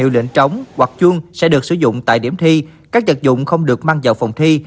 bóng hoặc chuông sẽ được sử dụng tại điểm thi các vật dụng không được mang vào phòng thi